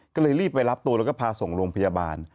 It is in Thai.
ก็เลยรีบไปรับตัวแล้วก็พาส่งโรงพยาบาล